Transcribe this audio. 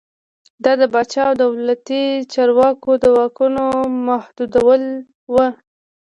دا د پاچا او دولتي چارواکو د واکونو محدودېدل و.